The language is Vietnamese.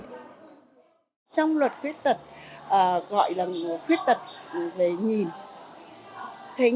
trong luật quyết tật gọi là người quyết tật